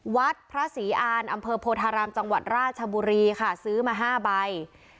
วัดพระศรีอานอำเภอโพธารามจังหวัดราชบุรีค่ะซื้อมา๕ใบ